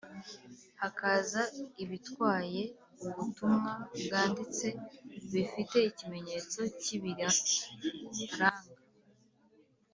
hakaza ibitwaye ubutumwa bwanditse bifite ikimenyetso kibiranga